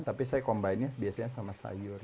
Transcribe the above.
tapi saya kombinasi biasanya dengan sayur